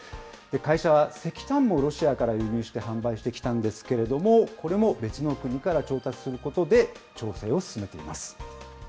会社は石炭もロシアから輸入して販売してきたんですけれども、これも別の国から調達することで調整を進めています。